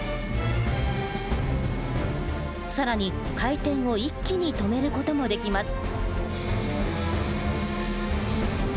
更に回転を一気に止める事もできます。